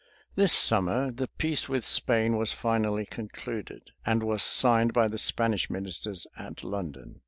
[] This summer, the peace with Spain was finally concluded, and was signed by the Spanish ministers at London.